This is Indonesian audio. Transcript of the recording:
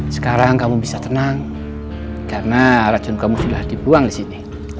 sekarang kamu bisa tenang karena racun kamu sudah dibuang di sini